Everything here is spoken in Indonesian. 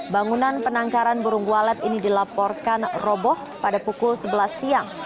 bangunan penangkaran burung walet ini dilaporkan roboh pada pukul sebelas siang